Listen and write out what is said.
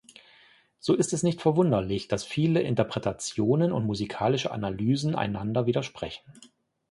So ist es nicht verwunderlich, dass viele Interpretationen und musikalische Analysen einander widersprechen.